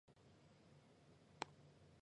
圆叶弓果藤是夹竹桃科弓果藤属的植物。